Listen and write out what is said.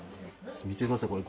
見てくださいこれ。